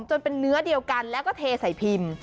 จนเป็นเนื้อเดียวกันแล้วก็เทใส่พิมพ์